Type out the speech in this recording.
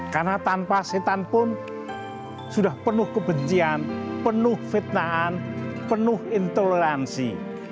karena tanpa setan pun sudah penuh kebencian penuh fitnaan penuh intoleransi